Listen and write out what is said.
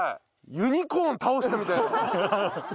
ユニコーン倒したみたいになってる。